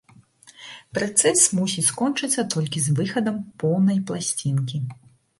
Працэс мусіць скончыцца толькі з выхадам поўнай пласцінкі.